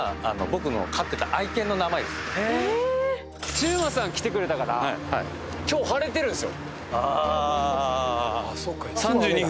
シウマさん来てくれたから今日晴れてるんすよ。